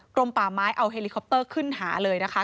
กรมป่าไม้เอาเฮลิคอปเตอร์ขึ้นหาเลยนะคะ